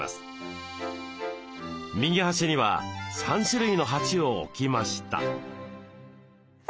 右端には３種類の鉢を置きました。